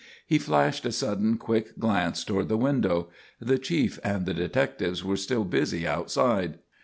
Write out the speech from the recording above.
He flashed a sudden quick glance toward the window; the chief and the detectives were still busy outside.